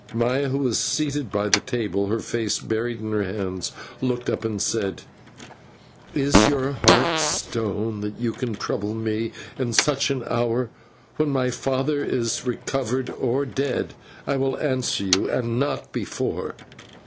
Maya, who was seated by the table, her face buried in her hands, looked up and said: "Is your heart stone that you can trouble me in such an hour? When my father is recovered, or dead, I will answer you, and not before."